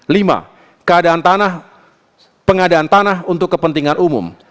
lima pengadaan tanah untuk kepentingan umum